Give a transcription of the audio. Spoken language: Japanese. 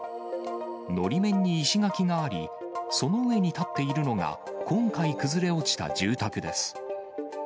のり面に石垣があり、その上に建っているのが、今回崩れ落ちた住宅です。